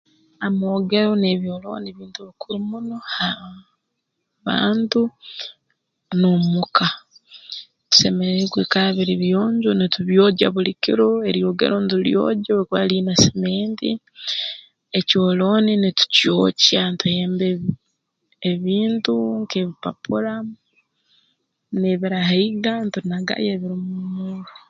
Amoogero n'ebyolooni bintu bikuru muno ha bantu n'omuka bisemeriire kwikara biri biyonjo nitubyogya buli kiro eryogero ntulyogya obu likuba liine simenti ekyolooni nitukyokya ntuhemba ebintu nk'ebipapura n'ebirahaiga ntunagayo ebirumu omurro